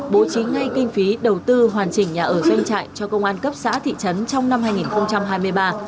bố trí ngay kinh phí đầu tư hoàn chỉnh nhà ở doanh trại cho công an cấp xã thị trấn trong năm hai nghìn hai mươi ba